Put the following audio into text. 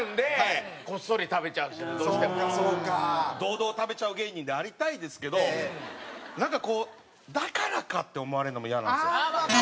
堂々食べちゃう芸人でありたいですけどなんかこう「だからか」って思われるのもイヤなんですよ。